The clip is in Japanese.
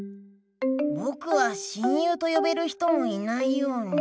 ぼくは親友とよべる人もいないような。